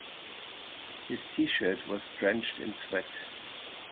His t-shirt was drenched in sweat.